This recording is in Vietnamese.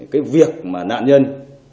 cái việc mà nạn nhân